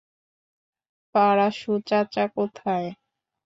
পারাসু চাচা কোথায়?